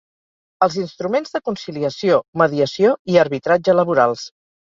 Els instruments de conciliació, mediació i arbitratge laborals.